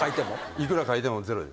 いくら書いても０です。